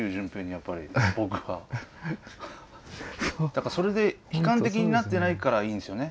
だからそれで悲観的になってないからいいんですよね。